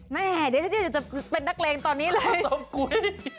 แม่เดี๋ยวจะเป็นนักเลงตอนนี้เลยข้าวต้มกุ๊ย